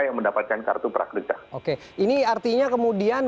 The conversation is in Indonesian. yang mendapatkan kartu prakerja oke ini artinya kemudian